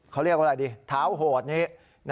เขาเรียกว่าอะไรดิเท้าโหดนี้